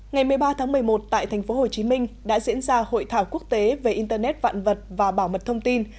ngày một mươi ba tháng một mươi một tại thành phố hồ chí minh đã diễn ra hội thảo quốc tế về internet vạn vật và bảo mật thông tin